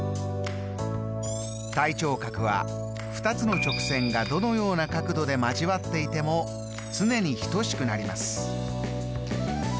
対頂角は２つ直線がどのような角度で交わっていても常に等しくなります。